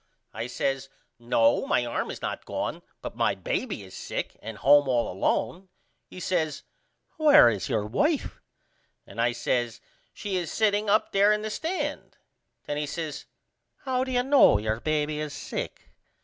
I says No my arm is not gone but my baby is sick and home all alone. He says Where is your wife? And I says She is setting up there in the stand. Then he says How do you know your baby is sick?